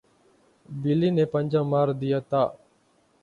بلی نے پنجہ مار دیا تھا